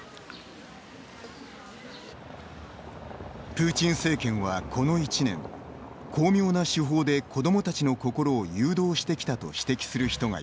プーチン政権はこの１年巧妙な手法で子どもたちの心を誘導してきたと指摘する人がいます。